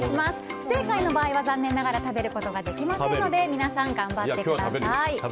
不正解の場合は残念ながら食べることができませんので皆さん、頑張ってください。